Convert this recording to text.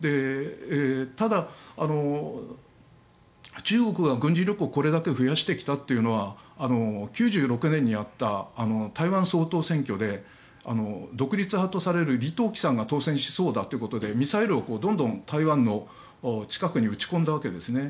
ただ、中国が軍事力をこれだけ増やしてきたというのは９６年にやった台湾総統選挙で独立派とされる李登輝さんが当選しそうだということでミサイルをどんどん台湾の近くに撃ち込んだわけですね。